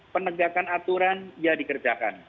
penegakan aturan ya dikerjakan